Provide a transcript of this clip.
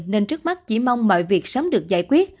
nên trước mắt chỉ mong mọi việc sớm được giải quyết